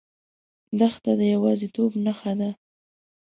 دښته د یوازیتوب نښه ده.